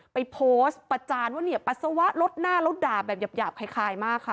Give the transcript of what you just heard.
ไปโพสต์ประจานปัสสวะรถหน้ารถด่ามแบบหยาบคล้ายมากค่ะ